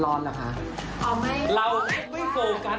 ทำงานการไม่ทำเพราะไม่มีงาน